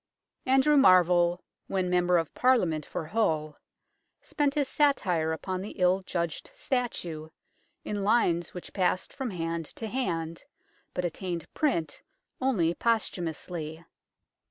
Andrew Marvell, when Member of Parliament for Hull, spent his satire upon the ill judged statue, in lines which passed from hand to hand, but attained print only posthumously.